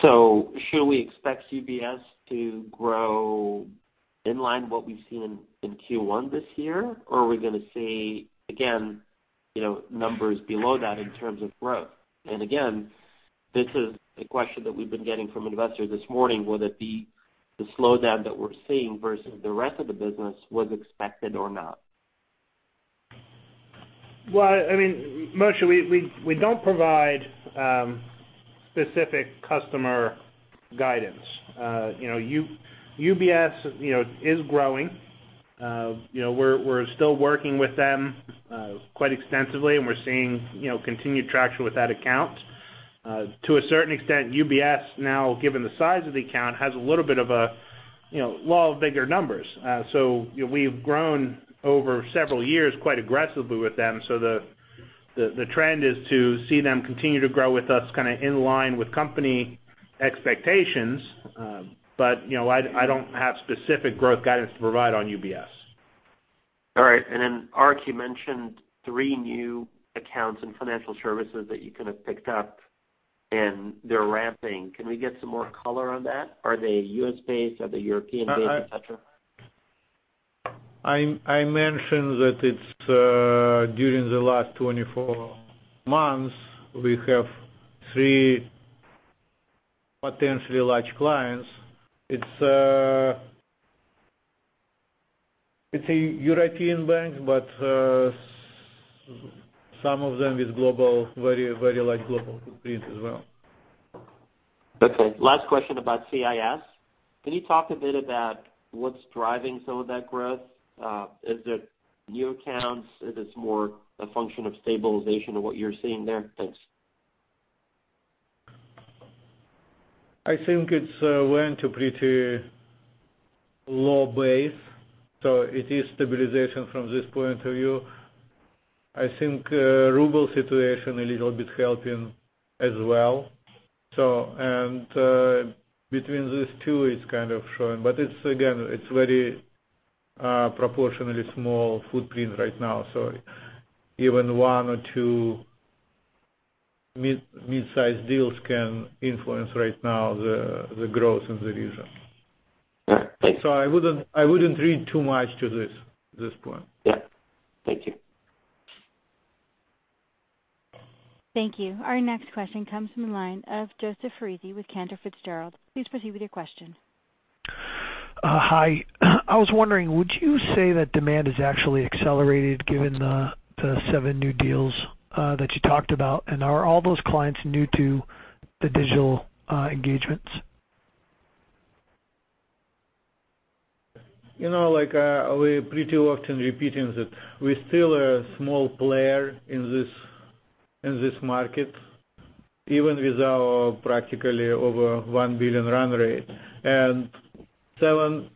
S13: Should we expect UBS to grow in line with what we've seen in Q1 this year, or are we going to see, again, numbers below that in terms of growth? Again, this is a question that we've been getting from investors this morning, whether the slowdown that we're seeing versus the rest of the business was expected or not.
S4: Well, I mean, Moshe, we don't provide specific customer guidance. UBS is growing. We're still working with them quite extensively, and we're seeing continued traction with that account. To a certain extent, UBS now, given the size of the account, has a little bit of a law of large numbers. So we've grown over several years quite aggressively with them. So the trend is to see them continue to grow with us kind of in line with company expectations. But I don't have specific growth guidance to provide on UBS.
S13: All right. And then Ark, you mentioned three new accounts in financial services that you kind of picked up, and they're ramping. Can we get some more color on that? Are they U.S.-based? Are they European-based, etc.?
S3: I mentioned that it's during the last 24 months, we have three potentially large clients. It's European banks, but some of them with very large global footprints as well.
S13: Okay. Last question about CIS. Can you talk a bit about what's driving some of that growth? Is it new accounts? Is it more a function of stabilization of what you're seeing there? Thanks.
S3: I think it's went to pretty low base. So it is stabilization from this point of view. I think ruble situation a little bit helping as well. And between these two, it's kind of showing. But again, it's very proportionally small footprint right now. So even one or two mid-size deals can influence right now the growth in the region. So I wouldn't read too much to this at this point.
S13: Yeah. Thank you.
S1: Thank you. Our next question comes from the line of Joseph Foresi with Cantor Fitzgerald. Please proceed with your question.
S14: Hi. I was wondering, would you say that demand has actually accelerated given the seven new deals that you talked about? And are all those clients new to the digital engagements?
S3: We're pretty often repeating that we're still a small player in this market, even with our practically over $1 billion run rate. Definitely,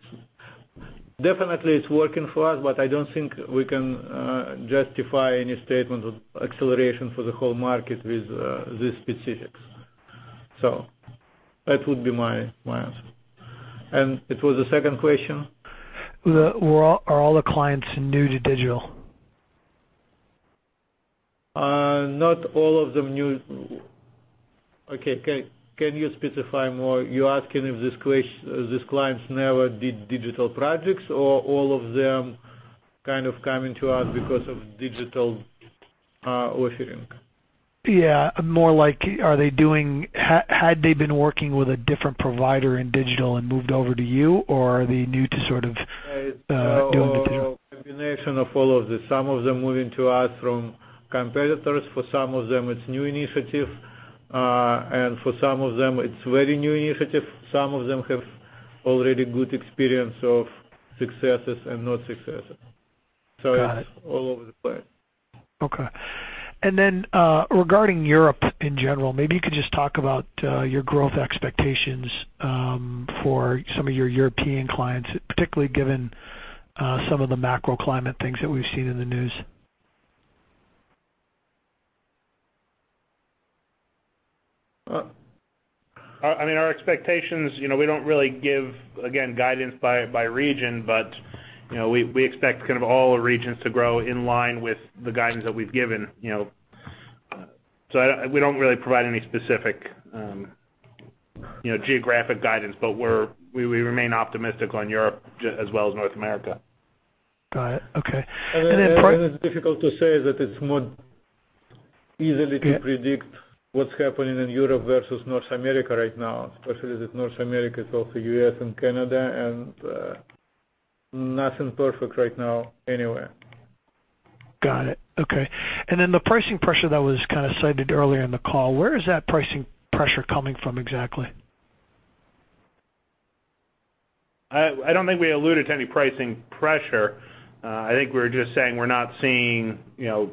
S3: it's working for us, but I don't think we can justify any statement of acceleration for the whole market with these specifics. That would be my answer. It was the second question.
S14: Are all the clients new to digital?
S3: Not all of them new. Okay. Can you specify more? You're asking if these clients never did digital projects, or all of them kind of coming to us because of digital offering?
S14: Yeah. More like, had they been working with a different provider in digital and moved over to you, or are they new to sort of doing digital?
S3: It's a combination of all of this. Some of them moving to us from competitors. For some of them, it's new initiative. For some of them, it's very new initiative. Some of them have already good experience of successes and not successes. So it's all over the place.
S14: Okay. Regarding Europe in general, maybe you could just talk about your growth expectations for some of your European clients, particularly given some of the macro climate things that we've seen in the news.
S4: I mean, our expectations, we don't really give, again, guidance by region, but we expect kind of all regions to grow in line with the guidance that we've given. So we don't really provide any specific geographic guidance, but we remain optimistic on Europe as well as North America.
S14: Got it. Okay. And then.
S3: And then it's difficult to say that it's more easily to predict what's happening in Europe versus North America right now, especially that North America is also U.S. and Canada. And nothing perfect right now anywhere.
S14: Got it. Okay. And then the pricing pressure that was kind of cited earlier in the call, where is that pricing pressure coming from exactly?
S4: I don't think we alluded to any pricing pressure. I think we were just saying we're not seeing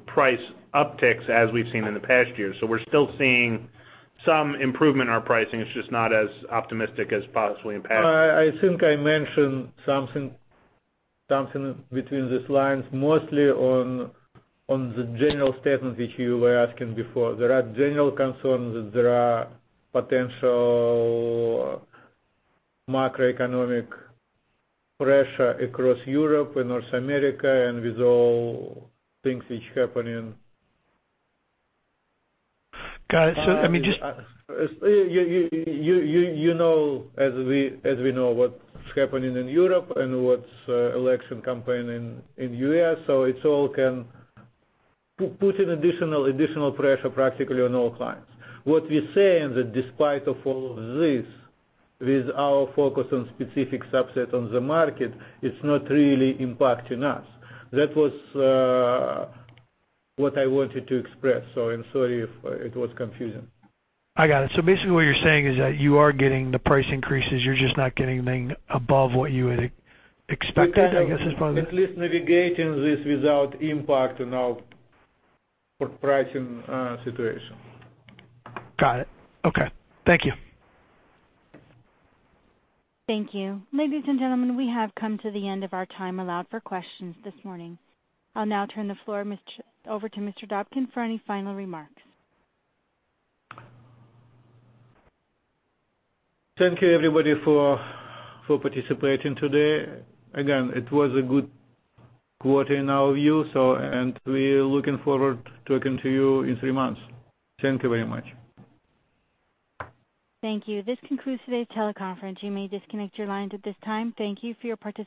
S4: price upticks as we've seen in the past year. So we're still seeing some improvement in our pricing. It's just not as optimistic as possibly in past.
S3: I think I mentioned something between these lines, mostly on the general statement which you were asking before. There are general concerns that there are potential macroeconomic pressure across Europe and North America and with all things which happening.
S14: Got it. So I mean, just.
S3: You know, as we know what's happening in Europe and what's election campaign in the U.S. So it all can put an additional pressure practically on all clients. What we're saying is that despite all of this, with our focus on specific subset on the market, it's not really impacting us. That was what I wanted to express. So I'm sorry if it was confusing.
S14: I got it. So basically, what you're saying is that you are getting the price increases. You're just not getting anything above what you had expected, I guess, is part of that?
S3: At least navigating this without impact on our pricing situation.
S14: Got it. Okay. Thank you.
S1: Thank you. Ladies and gentlemen, we have come to the end of our time allowed for questions this morning. I'll now turn the floor over to Mr. Dobkin for any final remarks.
S3: Thank you, everybody, for participating today. Again, it was a good quarter in our view, so. We're looking forward to talking to you in three months. Thank you very much.
S1: Thank you. This concludes today's teleconference. You may disconnect your lines at this time. Thank you for your participation.